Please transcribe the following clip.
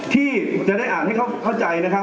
ที่จะได้อ่านให้เขาเข้าใจนะครับ